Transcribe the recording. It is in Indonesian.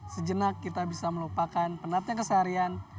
sejenak kita bisa melupakan penatnya keseharian